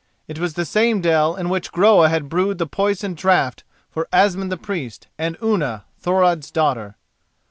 It was the same dell in which Groa had brewed the poison draught for Asmund the Priest and Unna, Thorod's daughter.